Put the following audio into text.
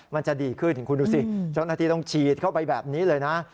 มันจะดีขึ้นถึงคุณดูสิเจ้าหน้าที่ต้องฉีดเข้าไปแบบนี้เลยนะ